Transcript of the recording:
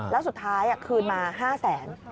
แล้วสุดท้ายคืนมา๕แสน